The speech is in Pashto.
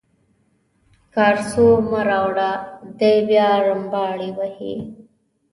کارسو مه راوړه دی بیا رمباړې وهي.